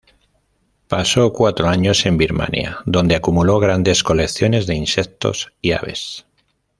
Pasó cuatro años en Birmania, donde acumuló grandes colecciones de insectos y aves.